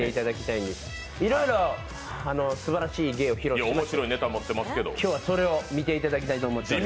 いろいろすばらしい芸を披露してもらえますが、今日はそれを見ていただきたいと思います。